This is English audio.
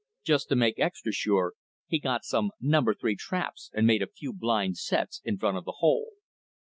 Just to make extra sure, he got some number three traps and made a few blind sets in front of the hole.